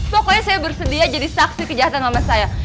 pokoknya saya bersedia jadi saksi kejahatan mama saya